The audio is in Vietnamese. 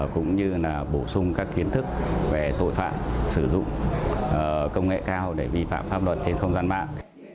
cũng như là bổ sung các kiến thức về tội phạm sử dụng công nghệ cao để vi phạm pháp luật trên không gian mạng